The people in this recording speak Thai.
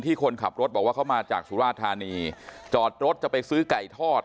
คนขับรถบอกว่าเขามาจากสุราธานีจอดรถจะไปซื้อไก่ทอด